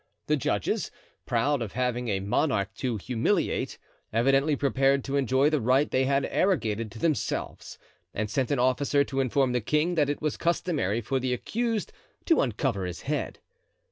The judges, proud of having a monarch to humiliate, evidently prepared to enjoy the right they had arrogated to themselves, and sent an officer to inform the king that it was customary for the accused to uncover his head.